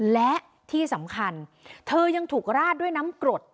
และที่สำคัญเธอยังถูกราดด้วยน้ำกรด